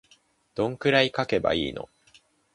どんくらい書けばいいの